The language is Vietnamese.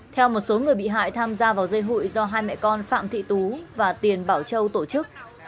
theo một số người bị hại tham gia vào dây hụi do hai mẹ con phạm thị tú và tiền bảo châu tổ chức